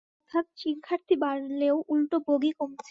অর্থাৎ শিক্ষার্থী বাড়লেও উল্টো বগি কমছে।